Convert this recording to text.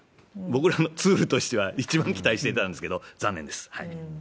僕らのツールとしては一番期待してたんですけど、残念です。